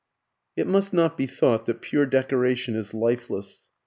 It must not be thought that pure decoration is lifeless.